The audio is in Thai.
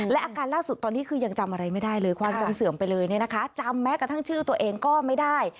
และอาการล่าสุดตอนนี้คือยังจำอะไรไม่ได้เลยความจำเสื่อมไปเลยเนี่ยนะคะจำแม้กระทั่งชื่อตัวเองก็ไม่ได้